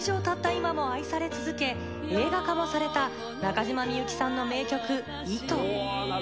今も愛され続け映画化もされた中島みゆきさんの名曲『糸』。